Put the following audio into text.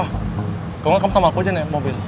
kalau enggak kamu sama aku aja naik mobil